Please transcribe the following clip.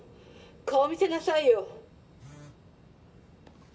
顔見せなさいよ。